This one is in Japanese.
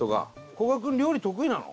こが君料理得意なの？